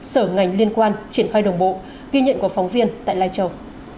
sở ngành liên quan triển khai đồng bộ ghi nhận của phóng viên tại lai châu